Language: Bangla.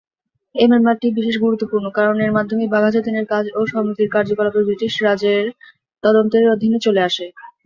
এই মামলাটি বিশেষ গুরুত্বপূর্ণ কারণ এর মাধ্যমেই বাঘা যতীনের কাজ এবং সমিতির কার্যকলাপ ব্রিটিশ রাজের তদন্তের অধীনে চলে আসে।